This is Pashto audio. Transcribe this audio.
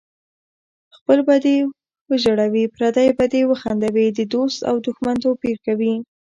خپل به دې وژړوي پردی به دې وخندوي د دوست او دښمن توپیر کوي